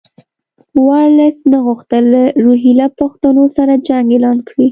ورلسټ نه غوښتل له روهیله پښتنو سره جنګ اعلان کړي.